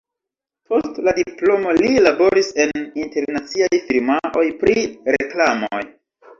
Post la diplomo li laboris en internaciaj firmaoj pri reklamoj.